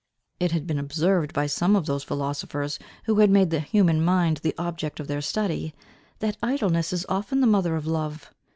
It has been observed by some of those philosophers who have made the human mind the object of their study, that idleness is often the mother of love.